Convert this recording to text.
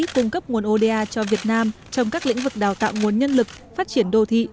cung cấp nguồn oda cho việt nam trong các lĩnh vực đào tạo nguồn nhân lực phát triển đô thị